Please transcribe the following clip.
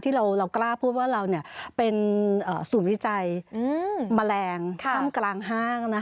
ที่เรากล้าพูดว่าเราเป็นศูนย์วิจัยแมลงถ้ำกลางห้าง